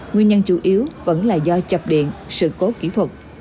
nguyên nhân chủ yếu vẫn là do chập điện sự cố kỹ thuật